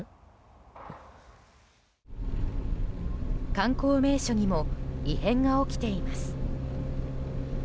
観光名所にも異変が起きています。